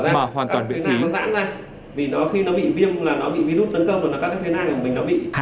mà hoàn toàn vệ thí